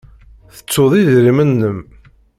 Tettud idrimen-nnem.